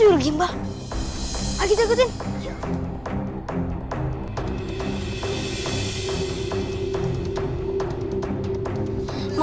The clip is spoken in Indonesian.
iya mungkin aja sakit kali dia